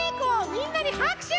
みんなにはくしゅ！